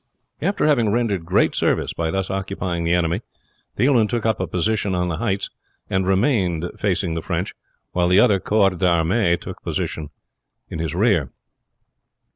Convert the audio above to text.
After having rendered great service by thus occupying the enemy Thielmann took up a position on the heights, and remained facing the French, while the other corps d'armé took post in his rear.